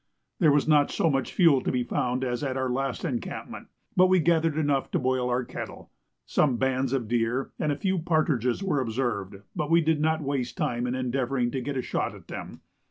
There was not so much fuel to be found as at our last encampment, but we gathered enough to boil our kettle. Some bands of deer and a few partridges were observed, but we did not waste time in endeavouring to get a shot at them.